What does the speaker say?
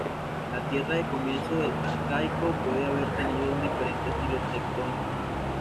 La Tierra de comienzos del Arcaico puede haber tenido un diferente estilo tectónico.